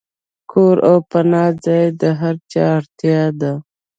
کور او پناه ځای د هر چا اړتیا ده.